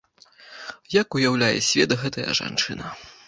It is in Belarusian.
Як уяўляе свет гэтая жанчына?